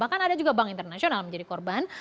kan ada juga bank internasional yang menjadi korban